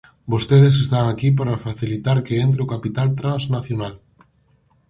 Vostedes están aquí para facilitar que entre o capital transnacional.